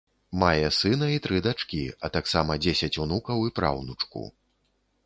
Мае сына і тры дачкі, а таксама дзесяць унукаў і праўнучку.